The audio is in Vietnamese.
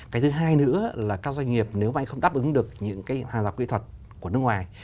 cái thứ hai nữa là các doanh nghiệp nếu mà anh không đáp ứng được những cái hàng rào kỹ thuật của nước ngoài